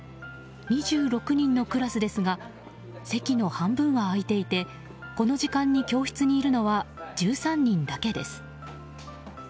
２６人のクラスですが席の半分は空いていてこの時間に教室にいるのは１３人だけです。